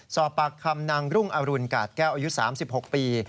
สอบปากคำนางรุ่งอรุณกาดแก้วอายุ๓๖ปี